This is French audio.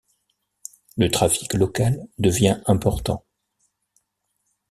Le trafic local devient important.